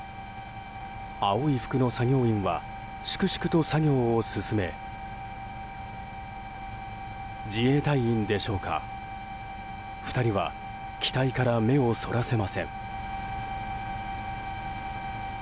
青い服の作業員は粛々と作業を進め自衛隊員でしょうか、２人は機体から目をそらせません。